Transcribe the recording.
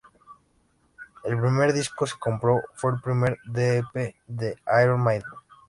El primer disco que compró fue el primer Lp de Iron Maiden.